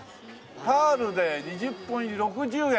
パールで２０本入り６０円。